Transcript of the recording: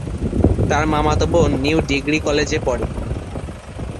তার মামাতো বোন নিউ ডিগ্রি কলেজে পড়ে।